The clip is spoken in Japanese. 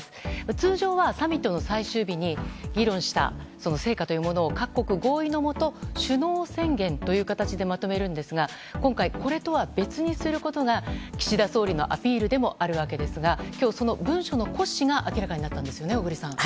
通常はサミットの最終日に議論した成果というものを各国合意のもと首脳宣言という形でまとめるんですが今回、これとは別にすることが岸田総理のアピールでもあるわけですが今日その文書の骨子が明らかになったんですよね。